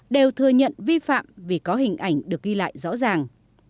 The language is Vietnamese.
đều thừa nhận vi phạm vì có hình ảnh được ghi lại rõ ràng